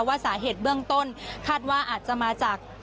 ว่าสาเหตุเบื้องต้นคาดว่าอาจจะมาจาก